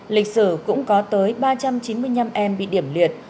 lịch sử cũng có tới ba trăm chín mươi năm em bị điểm liệt